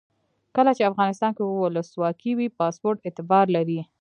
کله چې افغانستان کې ولسواکي وي پاسپورټ اعتبار لري.